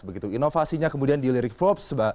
begitu inovasinya kemudian dilirik forbes